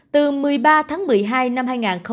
từ một mươi ba tháng một mươi hai năm hai nghìn hai mươi